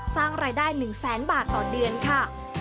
สร้างรายได้๑แสนบาทต่อเดือนค่ะ